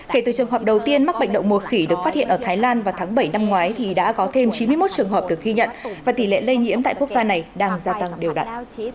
kể từ trường hợp đầu tiên mắc bệnh đậu mùa khỉ được phát hiện ở thái lan vào tháng bảy năm ngoái thì đã có thêm chín mươi một trường hợp được ghi nhận và tỷ lệ lây nhiễm tại quốc gia này đang gia tăng đều đặn